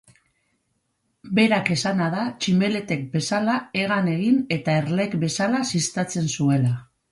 Berak esana da, tximeletek bezala hegan egin eta erleek bezala ziztatzen zuela.